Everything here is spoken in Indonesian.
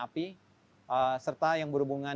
api serta yang berhubungan